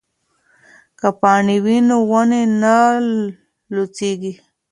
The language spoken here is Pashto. که پاڼې وي نو ونې نه لوڅیږي.